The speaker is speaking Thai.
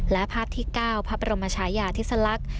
และภาพที่๙พระบรมชายาธิสลักษณ์